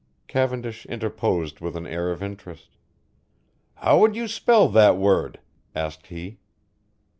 Cavendish interposed with an air of interest. "How would you spell that word?" asked he.